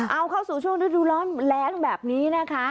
เอาเข้าสู่ช่วงฤดูร้อนแรงแบบนี้นะคะ